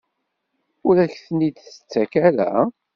Ur ak-ten-id-tettak ara?